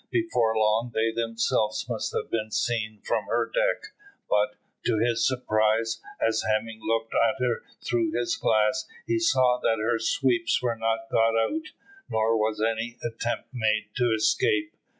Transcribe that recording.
Before long they themselves must have been seen from her deck; but, to his surprise, as Hemming looked at her through his glass, he saw that her sweeps were not got out, nor was any attempt made to escape.